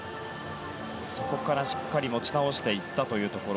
そこからしっかり持ち直していったというところ。